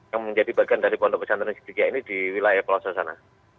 yang menjadi bagian dari pondok pesantren siti kia ini di wilayah kolosan sana